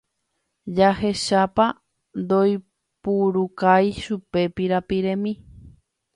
Jahechápa ndoipurukái chupe pirapiremi.